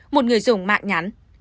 một người dùng mạng nhắn